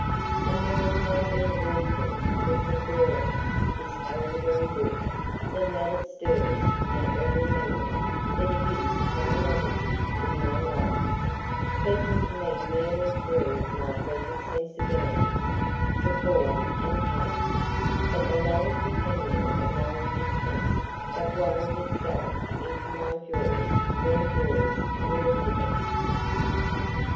And there is no better reason for preferring this elderberry bush than that it stirs an early memory; that it is no novelty in my life, speaking to me merely through my present sensibilities to form and colour, but the long companion of my existence, that wove itself into my joys when joys were vivid.